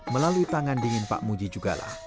melalui tangan dingin pak muji juga lah